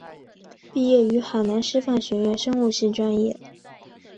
毕业于海南师范学院生物系专业。